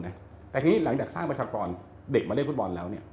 แต่ทีนี้หลังจากสร้างประชากรเด็กมาเล่นฟุตบอลแล้วเนี่ย